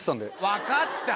分かった！